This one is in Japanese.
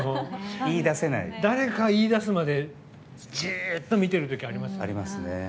誰かが言いだすまでじーっと見てる時ありますよね。